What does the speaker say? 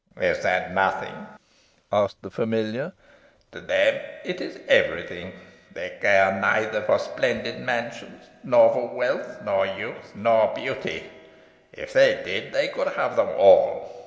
"Is that nothing?" asked the familiar. "To them it is every thing. They care neither for splendid mansions, nor wealth, nor youth, nor beauty. If they did, they could have them all.